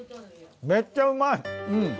めっちゃうまい！